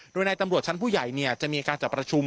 โดยในตำรวจชั้นผู้ใหญ่จะมีการจัดประชุม